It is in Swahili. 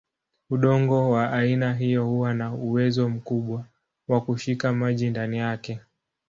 Udongo wa aina hiyo huwa na uwezo mkubwa wa kushika maji ndani yake.